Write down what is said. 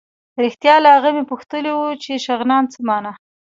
رښتیا له هغه مې پوښتلي وو چې شغنان څه مانا.